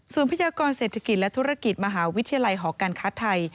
ส่วนพยากรเศรษฐกิจและธุรกิจมหาวิทยาลัยหอการค้าไทย